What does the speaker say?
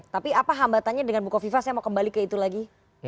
tapi apa hambatannya dengan buko viva saya mau kembali ke itu lagi